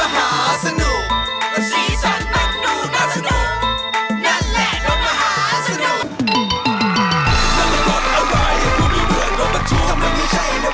เหยียดขางของรถมหาสนุก